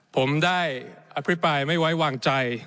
ผมได้อภิปรายไม่ไว้วางใจ